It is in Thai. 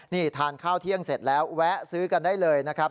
นี่ทานข้าวเที่ยงเสร็จแล้วแวะซื้อกันได้เลยนะครับ